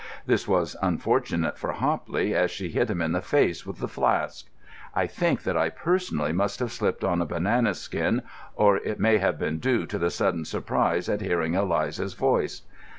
This was unfortunate for Hopley, as she hit him in the face with the flask. I think that I personally must have slipped on a banana skin, or it may have been due to the sudden surprise at hearing Eliza's voice.